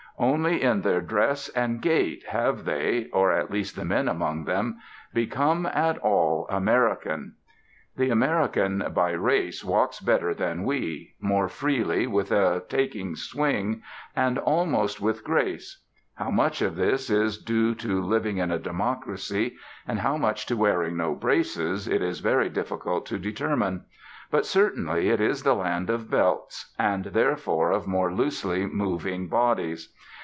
Only in their dress and gait have they or at least the men among them become at all American. The American by race walks better than we; more freely, with a taking swing, and almost with grace. How much of this is due to living in a democracy, and how much to wearing no braces, it is very difficult to determine. But certainly it is the land of belts, and therefore of more loosely moving bodies.